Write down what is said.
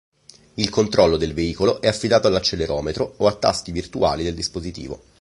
Il controllo del veicolo è affidato all'accelerometro o a tasti virtuali del dispositivo.